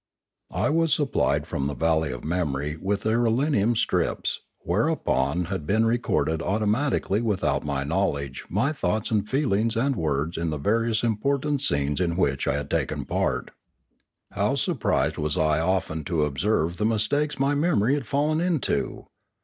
I was supplied from the valley of memory with irelium strips, whereon had been recorded automatic ally without my knowledge my thoughts and feelings and words in the various important scenes in which I had taken part. How surprised was I often to observe the mistakes my memory had fallen into